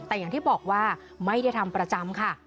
แต่อย่างที่บอกว่าไม่ได้ทำประจำค่ะ